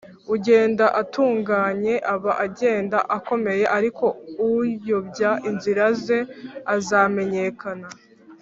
ugenda atunganye aba agenda akomeye, ariko uyobya inzira ze azamenyekana